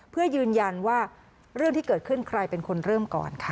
เพื่อยืนยันว่าเรื่องที่เกิดขึ้นใครเป็นคนเริ่มก่อนค่ะ